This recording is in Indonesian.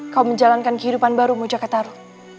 kamu menjalankan kehidupan baru mojakataru